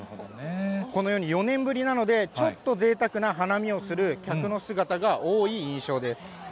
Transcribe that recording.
このように、４年ぶりなので、ちょっとぜいたくな花見をする客の姿が多い印象です。